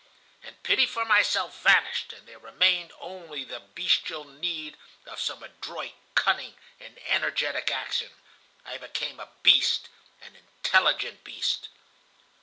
And pity for myself vanished, and there remained only the bestial need of some adroit, cunning, and energetic action. I became a beast, an intelligent beast.